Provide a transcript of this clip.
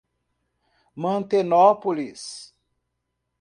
Mantenópolis